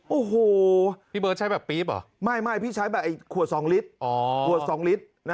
โอ้โหพี่เบิร์ตใช้แบบปี๊บเหรอไม่พี่ใช้แบบขวด๒ลิตรขวด๒ลิตร